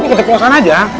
kita keluar sana aja